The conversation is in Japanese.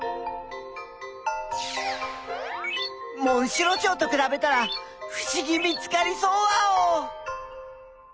モンシロチョウとくらべたらふしぎ見つかりそうワオ！